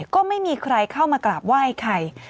ก็ไม่มีใครเข้ามากราบไหว้ใคร